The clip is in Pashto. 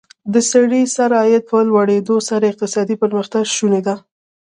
د سړي سر عاید په لوړېدو سره اقتصادي پرمختیا شونې ده.